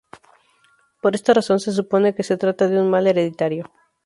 Por esta razón se supone que se trata de un mal hereditario.